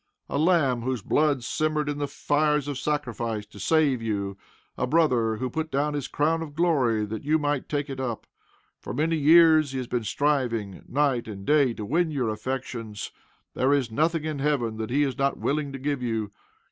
A Lamb, whose blood simmered in the fires of sacrifice, to save you. A Brother, who put down his crown of glory that you might take it up. For many years he has been striving, night and day, to win your affections. There is nothing in heaven that he is not willing to give you.